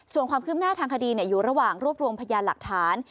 ส่วนความคืบหน้าทางคดีอยู่ระหว่างรวบรวมพยานหลักฐาน